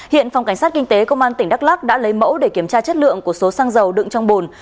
hiện phòng cảnh sát kinh tế công an tỉnh đắk lắc đã lấy mẫu để kiểm tra chất lượng của số xăng dầu đựng trong bùn